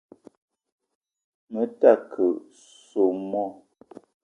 Me ta ke soo moo